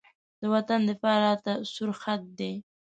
د وطن دفاع راته سور خط دی.